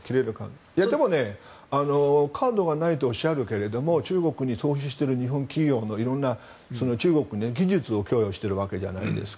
でも、カードがないとおっしゃるけど日本企業はいろんな中国の技術を供与しているわけじゃないですか。